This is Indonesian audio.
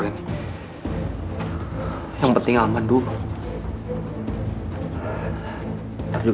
kal dengerin gua dulu kal